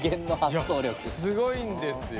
スゴいんですよ。